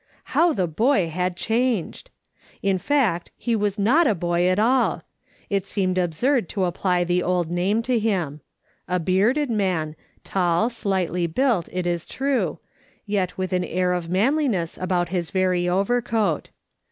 How the boy had changed ! In fact, he was not a boy at all ; it seemed al)surd to apply tlic old name to him. A bearded man, tall, slightly built, it is true, yet with an air of manliness about his very overcoat.